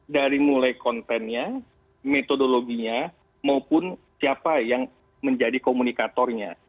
dari mulai kontennya metodologinya maupun siapa yang menjadi komunikatornya